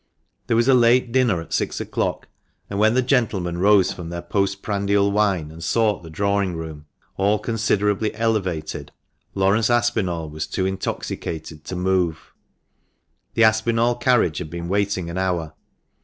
There was a late dinner at six o'clock, and when the gentlemen rose from their post prandial wine, and sought the drawing room, all considerably elevated, Laurence Aspinall was too intoxicated to move. The Aspinall carriage had been waiting an hour.